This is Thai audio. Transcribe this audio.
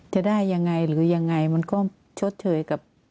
จะได้ยังไงหรือยังไงมันก็ชดเชยกับ